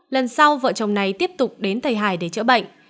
lần sau vợ chồng này tiếp tục đến thầy hải để chữa bệnh